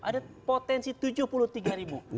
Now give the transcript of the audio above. ada potensi tujuh puluh tiga ribu